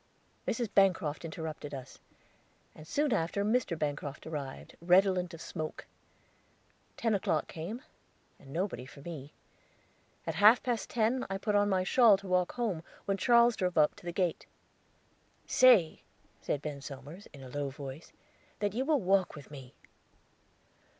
Mrs. Bancroft interrupted us, and soon after Mr. Bancroft arrived, redolent of smoke. Ten o'clock came, and nobody for me. At half past ten I put on my shawl to walk home, when Charles drove up to the gate. "Say," said Ben Somers, in a low voice, "that you will walk with me."